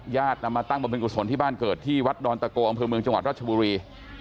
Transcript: นำมาตั้งบริเวณกุศลที่บ้านเกิดที่วัดดอนตะโกอำเภอเมืองจังหวัดราชบุรี